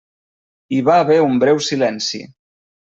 Hi va haver un breu silenci.